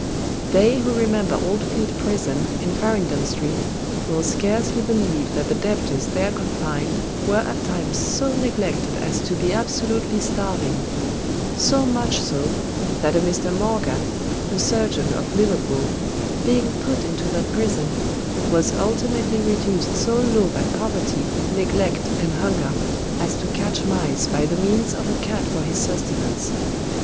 They who remember old Fleet Prison, in Farringdon Street, will scarcely believe that the debtors there confined were at times so neglected as to be absolutely starving; so much so, that a Mr. Morgan, a surgeon of Liverpool, being put into that prison, was ultimately reduced so low by poverty, neglect, and hunger, as to catch mice by the means of a cat for his sustenance.